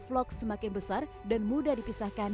vlog semakin besar dan mudah dipisahkan